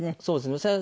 そうですね。